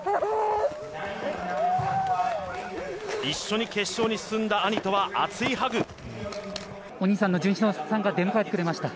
一緒に決勝に進んだ兄とは熱いハグ。